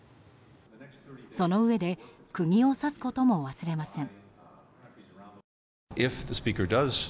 そのうえで釘を刺すことも忘れません。